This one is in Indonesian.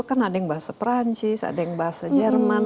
kan ada yang bahasa perancis ada yang bahasa jerman